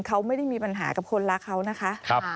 เขาไม่ได้มีปัญหากับคนรักเขานะคะ